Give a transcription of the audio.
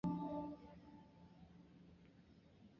阿丽安萝德中扮演了其最重要的角色。